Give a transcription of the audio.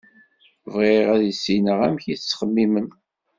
Bɣiɣ ad issineɣ amek i ttxemmimen.